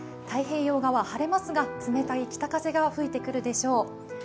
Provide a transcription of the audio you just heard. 太平洋側、晴れますが冷たい北風が吹いてくるでしょう。